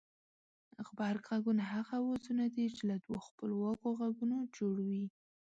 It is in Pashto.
غبرگ غږونه هغه اوازونه دي چې له دوو خپلواکو غږونو جوړ وي